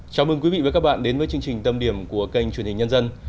chào mừng quý vị và các bạn đến với chương trình tâm điểm của kênh truyền hình nhân dân